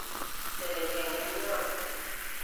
Seveceğini biliyordum.